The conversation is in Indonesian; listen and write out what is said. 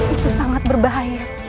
itu sangat berbahaya